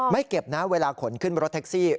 เก็บนะเวลาขนขึ้นรถแท็กซี่